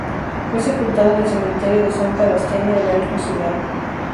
Fue sepultado en el Cementerio de Santa Lastenia de la misma ciudad.